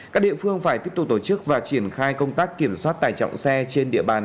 các địa phương phải tiếp tục tổ chức và triển khai công tác kiểm soát tải trọng xe trên địa bàn